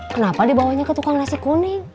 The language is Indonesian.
kenapa dibawanya ke tukang nasi kuning